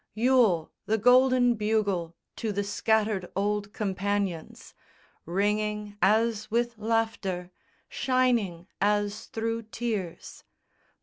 Yule, the golden bugle to the scattered old companions, Ringing as with laughter, shining as through tears!